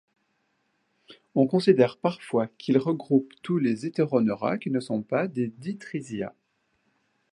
On considère parfois qu'il regroupe tous les Heteroneura qui ne sont pas des Ditrysia.